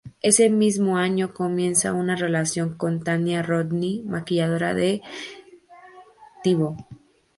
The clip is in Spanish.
Ese mismo año comienza una relación con Tanya Rodney maquilladora de Il Divo.